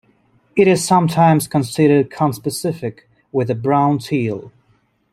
It is sometimes considered conspecific with the brown teal.